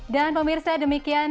dan pemirsa demikian